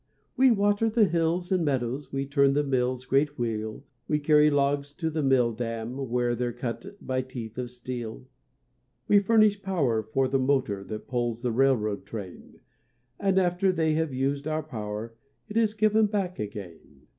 We water the hills and meadows, We turn the mills' great wheel, We carry logs to the mill dam, Where they're cut by teeth of steel. We furnish power for the motor That pulls the railroad train; And after they have used our power, It is given back again.